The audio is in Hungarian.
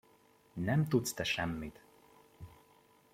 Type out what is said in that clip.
Nem tudsz te semmit!